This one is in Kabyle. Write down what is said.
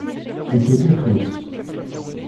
Ittak afus.